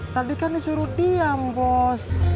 tadi kan disuruh diam bos